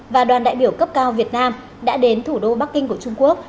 và đoàn đại biểu cấp cao việt nam đã đến thủ đô bắc kinh của trung quốc